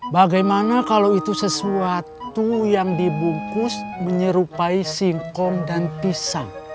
bagaimana kalau itu sesuatu yang dibungkus menyerupai singkong dan pisang